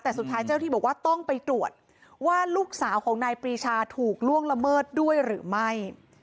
แต่สุดท้ายเจ้าที่บอกว่าต้องไปตรวจว่าลูกสาวของนายปรีชาถูกล่วงละเมิดด้วยหรือไม่